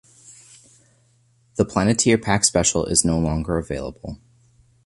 The "Planeteer Pack" special is no longer available.